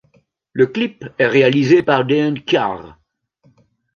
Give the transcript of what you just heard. Le clip est réalisé par Dean Karr.